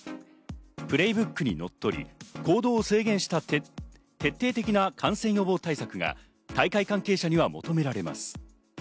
プレイブックにのっとり、行動制限した徹底的な感染予防対策が大会関係者には求められます。